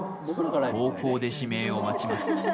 高校で指名を待ちます。